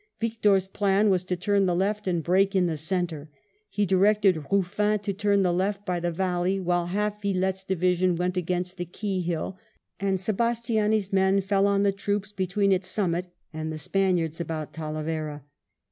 Victor^s plan was to turn the left and break in the centre. He directed Eufiin to turn the left by the valley, while half Vilatte's division went against the Key hill, and Sebastiani^s men fell on the troops between its summit and the Spaniards about Talavera.